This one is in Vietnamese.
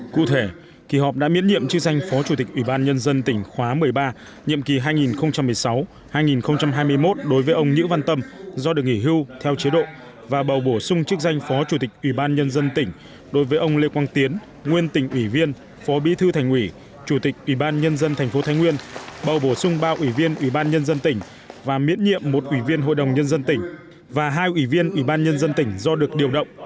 cụ thể kỳ họp đã miễn nhiệm chức danh phó chủ tịch ủy ban nhân dân tỉnh khóa một mươi ba nhiệm kỳ hai nghìn một mươi sáu hai nghìn hai mươi một đối với ông nhữ văn tâm do được nghỉ hưu theo chế độ và bảo bổ sung chức danh phó chủ tịch ủy ban nhân dân tỉnh đối với ông lê quang tiến nguyên tỉnh ủy viên phó bí thư thành nguyễn chủ tịch ủy ban nhân dân thành phố thái nguyên bảo bổ sung ba ủy viên ủy ban nhân dân tỉnh và miễn nhiệm một ủy viên hội đồng nhân dân tỉnh và hai ủy viên ủy ban nhân dân tỉnh do được điều